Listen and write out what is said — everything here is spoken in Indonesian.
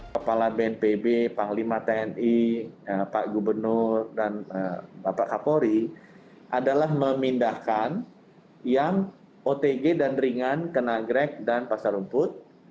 kepala bnpb panglima tni pak gubernur dan bapak kapolri adalah memindahkan yang otg dan ringan ke nagrek dan pasar rumput